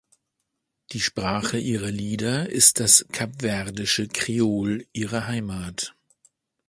Die Sprache ihrer Lieder ist das kapverdische Kreol ihrer Heimat.